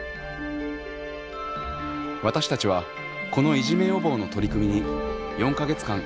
私たちはこのいじめ予防の取り組みに４か月間密着しました。